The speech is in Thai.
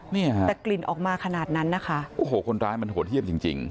เนี่ยค่ะแต่กลิ่นออกมาขนาดนั้นนะคะโอ้โหคนร้ายมันโหดเยี่ยมจริงจริง